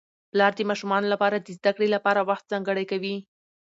پلار د ماشومانو لپاره د زده کړې لپاره وخت ځانګړی کوي